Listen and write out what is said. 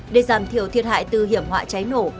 để giảm thiểu thiệt hại từ hiểm họa cháy nổ